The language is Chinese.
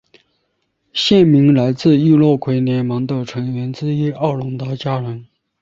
县名来自易洛魁联盟的成员之一奥农达加人。